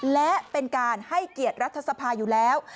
และเป็นการให้เกียรติรัฐสภาอยู่แล้ว